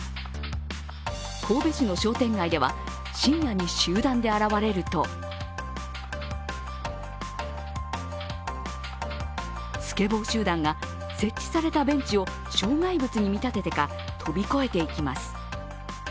神戸市の商店街では、深夜に集団で現れるとスケボー集団が設置されたベンチを障害物に見立ててか飛び越えていきます。